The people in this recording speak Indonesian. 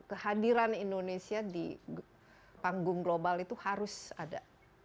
kehadiran indonesia di panggung global itu harus ada